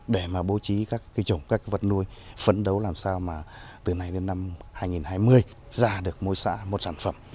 để mà bố trí các vật nuôi phấn đấu làm sao mà từ nay đến năm hai nghìn hai mươi ra được mỗi xã một sản phẩm